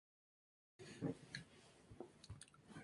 Ambos murieron en el incendio que destruyó la Mansión Baudelaire.